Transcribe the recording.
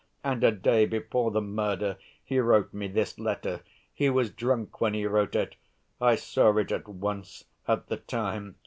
And a day before the murder he wrote me this letter. He was drunk when he wrote it. I saw it at once, at the time.